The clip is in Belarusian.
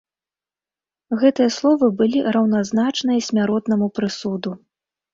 Гэтыя словы былі раўназначныя смяротнаму прысуду.